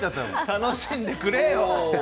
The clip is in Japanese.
楽しんでくれよ！